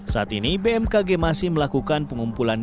saat ini bmkg masih melakukan pengumpulan